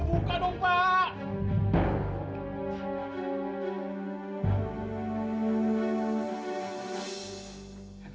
buka dong pak